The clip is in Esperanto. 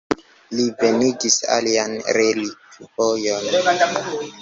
Li venigis aliajn relikvojn.